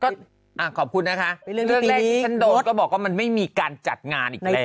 ก็ขอบคุณนะคะเรื่องนี้ท่านโดนก็บอกว่ามันไม่มีการจัดงานอีกแล้ว